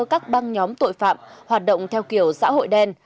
các băng nhóm tội phạm hoạt động theo kiểu xã hội đen